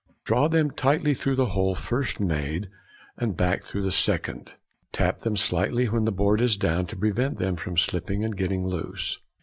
Draw them tightly through the hole first made and back through the second. Tap them slightly when the board is down to prevent them from slipping and getting loose.